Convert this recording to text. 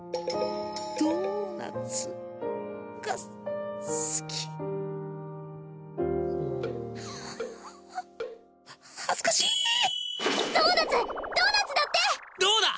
ドーナツが好き恥ずかしいドーナツドーナツだってどうだ